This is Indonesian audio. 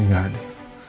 ini gak adil